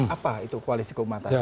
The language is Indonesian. apa itu koalisi keumatan